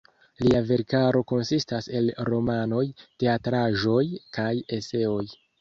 Lia verkaro konsistas el romanoj, teatraĵoj kaj eseoj.